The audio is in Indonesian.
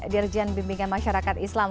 dirjen bimbingan masyarakat islam